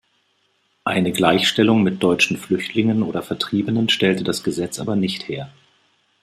Eine Gleichstellung mit deutschen Flüchtlingen oder Vertriebenen stellte das Gesetz aber nicht her.